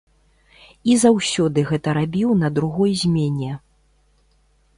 І заўсёды гэта рабіў на другой змене.